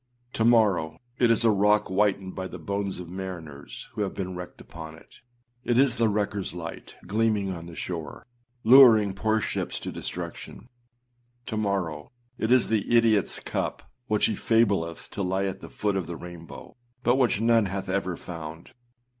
To morrow â it is a rock whitened by the bones of mariners who have been wrecked upon it; it is the wreckerâs light gleaming on the shore, luring poor ships to destruction. To morrow â it is the idiotâs cup which he fableth to lie at the foot of the rainbow, but which none hath ever found.